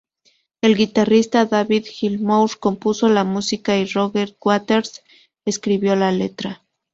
El guitarrista David Gilmour compuso la música y Roger Waters escribió la letra.